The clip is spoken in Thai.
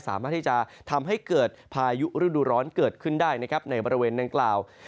สามารถที่จะทำให้เกิดพายุฤดูร้อนเกิดขึ้นได้นะครับในบริเวณดังกล่าว